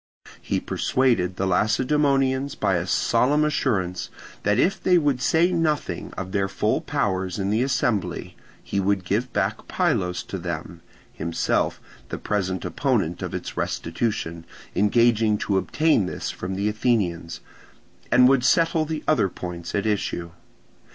He persuaded the Lacedaemonians by a solemn assurance that if they would say nothing of their full powers in the assembly, he would give back Pylos to them (himself, the present opponent of its restitution, engaging to obtain this from the Athenians), and would settle the other points at issue.